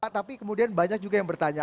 tapi kemudian banyak juga yang bertanya